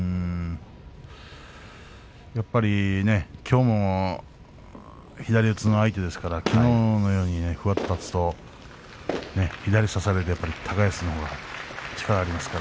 やっぱりね、きょうも左四つの相手ですからきのうのように、ふわっと立つと左を差されて高安のほうが力があります。